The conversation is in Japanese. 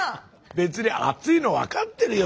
別に熱いの分かってるよ